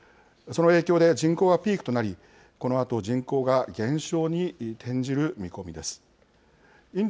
その影響で人口はピークとなりこのあと人口が減少に転じる見込みです。